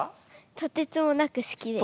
とてつもなく好きです。